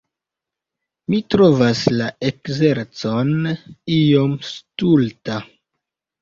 Mi trovas la ekzercon iom stulta.